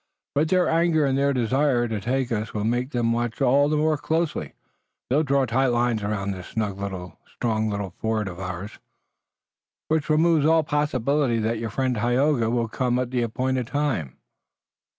But their anger and their desire to take us will make them watch all the more closely. They'll draw tight lines around this snug little, strong little fort of ours." "Which removes all possibility that your friend Tayoga will come at the appointed time."